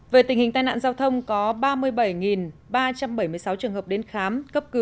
về tình hình tai nạn giao thông có ba mươi bảy ba trăm bảy mươi sáu trường hợp đến khám cấp cứu